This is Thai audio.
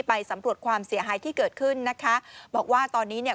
สำรวจความเสียหายที่เกิดขึ้นนะคะบอกว่าตอนนี้เนี่ย